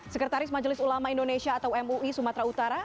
sekretaris majelis ulama indonesia atau mui sumatera utara